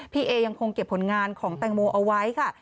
เอยังคงเก็บผลงานของแตงโมเอาไว้ค่ะ